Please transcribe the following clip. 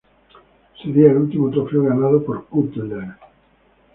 Sería el último trofeo ganado por Cutler.